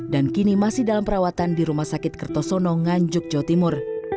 dan kini masih dalam perawatan di rumah sakit kertosono nganjuk jawa timur